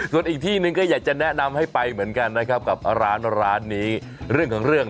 ส่วนอีกที่หนึ่งก็อยากจะแนะนำให้ไปเหมือนกันนะครับกับร้านร้านนี้เรื่องของเรื่อง